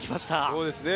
そうですね。